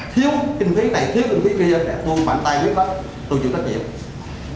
thiếu kinh phí này thiếu kinh phí kia để tôi bản tay viết đó tôi chịu trách nhiệm